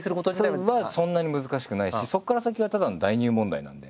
それはそんなに難しくないしそこから先はただの代入問題なんで。